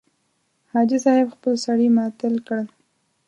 حاجي صاحب خپل سړي معطل کړل.